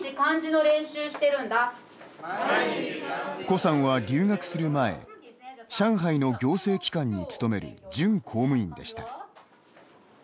コさんは、留学する前、上海の行政機関に勤める準公務員でした。